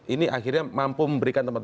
ini akhirnya mampu memberikan tempat